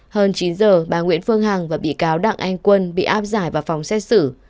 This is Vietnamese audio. hơn chín giờ bà nguyễn phương hằng và bị cáo đặng anh quân bị áp giải vào phòng xét xử